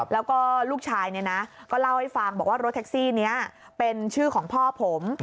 แล้วก็ลูกชายก็เล่าให้ฟังบอกว่ารถแท็กซี่นี้เป็นชื่อของพ่อผม